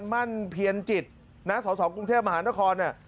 มั่นเพียรจิตนะสสกรุงเทพมหานครเนี่ย